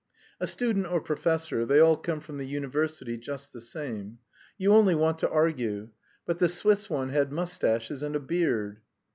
"A student or professor, they all come from the university just the same. You only want to argue. But the Swiss one had moustaches and a beard."